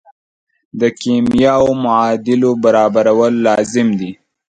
د کیمیاوي معادلو برابرول لازم دي.